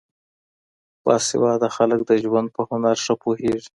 با سواده خلګ د ژوند په هنر ښه پوهېږي.